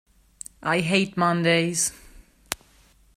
I hate Mondays!